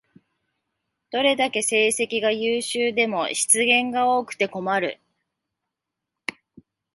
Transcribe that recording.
どれだけ成績が優秀でも失言が多くて困る